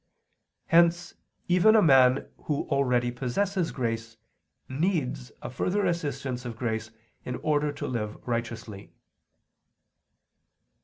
Hence even a man who already possesses grace needs a further assistance of grace in order to live righteously.